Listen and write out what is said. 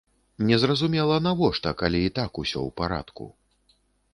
Незразумела, навошта, калі і так усё ў парадку.